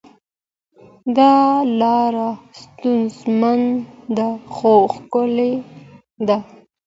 دا لاره ستونزمنه ده خو ښکلې ده.